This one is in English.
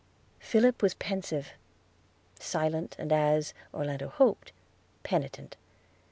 Philip was pensive, silent, and, as Orlando hoped, penitent.